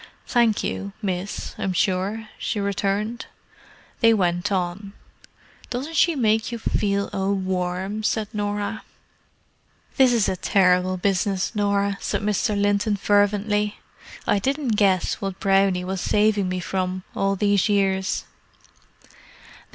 "Thank you, miss, I'm sure," she returned. They went on. "Doesn't she make you feel a worm!" said Norah. "This is a terrible business, Norah!" said Mr. Linton fervently. "I didn't guess what Brownie was saving me from, all these years."